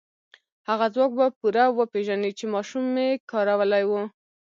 هغه ځواک به پوره وپېژنئ چې ماشومې کارولی و.